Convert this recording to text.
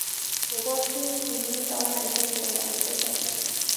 我光听语音导览就走了两个多小时